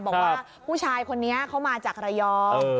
บอกว่าผู้ชายคนนี้เขามาจากระยอง